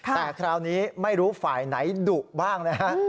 แต่คราวนี้ไม่รู้ฝ่ายไหนดุบ้างนะฮะ